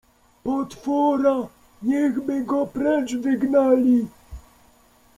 Potwora, niechby go precz wygnali!